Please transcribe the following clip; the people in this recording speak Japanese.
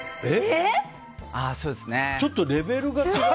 ちょっとレベルが違う。